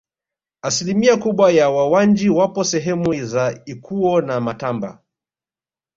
Asilimia kubwa ya Wawanji wapo sehemu za Ikuwo na Matamba